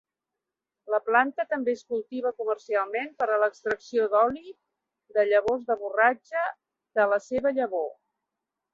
La planta també es cultiva comercialment per a l'extracció doli de llavors de borratja de la seva llavor.